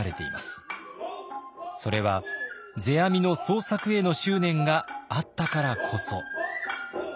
それは世阿弥の創作への執念があったからこそ。